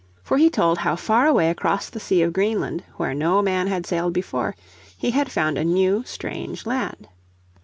For he told how far away across the sea of Greenland, where no man had sailed before, he had found a new, strange land.